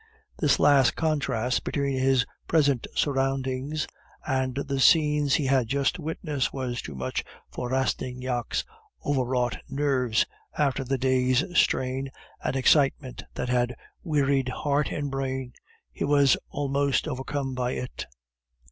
This last contrast between his present surroundings and the scenes he had just witnessed was too much for Rastignac's over wrought nerves, after the day's strain and excitement that had wearied heart and brain; he was almost overcome by it.